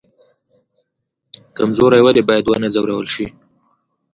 کمزوری ولې باید ونه ځورول شي؟